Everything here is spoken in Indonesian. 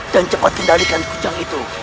dan cepat kendalikan kucang itu